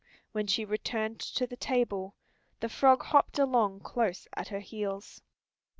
When she returned to the table, the frog hopped along close at her heels.